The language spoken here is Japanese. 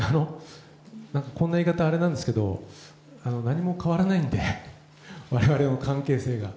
こんな言い方あれなんですけど、何も変わらないんで、われわれの関係性が。